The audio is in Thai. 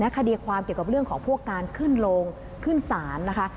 คดีความเกี่ยวกับเรื่องของพวกการขึ้นโรงขึ้นศาลนะคะ